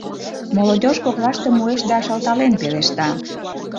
Молодёжь коклаште муэш да шылтален пелешта: